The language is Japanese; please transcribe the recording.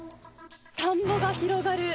田んぼが広がる